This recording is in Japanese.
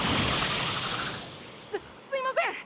すすいません。